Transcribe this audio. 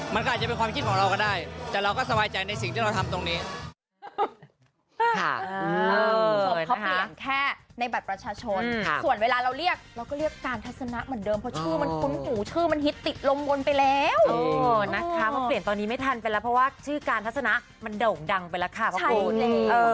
มันก็อาจจะเป็นความคิดของเราก็ได้แต่เราก็สบายใจในสิ่งที่เราทำตรงนี้